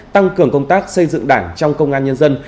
tăng cường công tác xây dựng đảng trong công an nhân dân